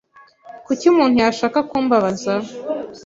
Kuki umuntu yashaka kumbabaza?